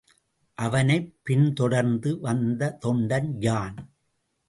அவனைப் பின்தொடர்ந்து வந்த தொண்டன் யான்.